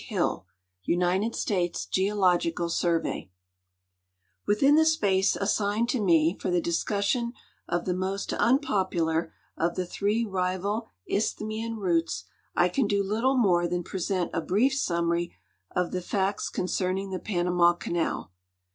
Hill, United Stales Geological Survey Within the space assigned to me for the discussion of the most unpopular of the three rival isthmian routes, I can do little more than present a brief summary of the facts concerning the Panama canal.